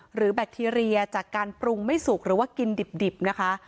แบคทีเรียจากการปรุงไม่สุกหรือว่ากินดิบนะคะ